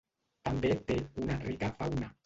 També té una rica fauna.